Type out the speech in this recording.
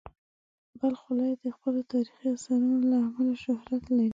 بلخ ولایت د خپلو تاریخي ارثونو له امله شهرت لري.